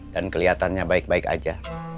dan keliatannya baik baik aja